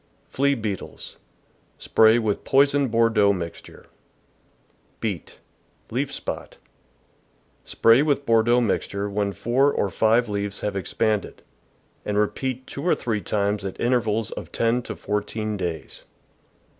Flea Beetles. — Spray with poisoned Bordeaux mixture. Beet. — Leaf Spot. — Spray with Bordeaux mix ture when four or five leaves have expanded, and repeat two or three times at intervals of ten to four teen days.